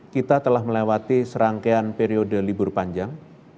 kita telah melewati serangkaian periode libur panjang